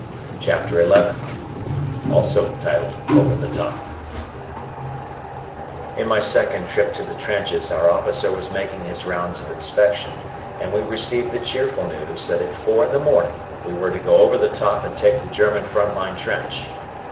CHAPTER XI OVER THE TOP In my second trip to the trenches our officer was making his rounds of inspection, and we received the cheerful news that at four in the morning we were to go over the top and take the German front line trench.